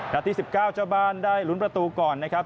ที่๑๙เจ้าบ้านได้ลุ้นประตูก่อนนะครับ